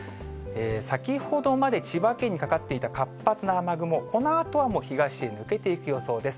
先ほどまで千葉県にかかっていた活発な雨雲、このあとはもう東へ抜けていく予想です。